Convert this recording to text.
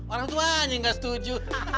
orang tuanya gak setuju